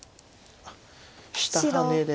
下ハネで。